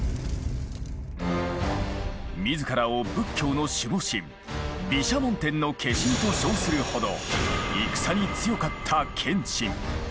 自らを仏教の守護神毘沙門天の化身と称するほど戦に強かった謙信。